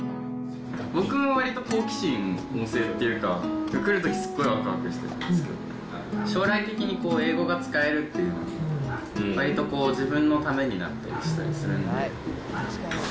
僕はわりと好奇心旺盛っていうか、来るときすっごいわくわくしてたんですけど、将来的に英語が使えるっていうのは、わりとこう自分のためになったりするんで。